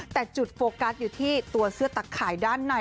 แต่จุดโฟกัสอยู่ที่ตัวเสื้อตะข่ายด้านใน